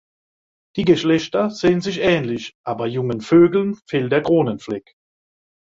Die Geschlechter sehen sich ähnlich, aber jungen Vögeln fehlt der Kronenfleck.